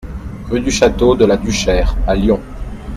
Rue du Château de la Duchère à Lyon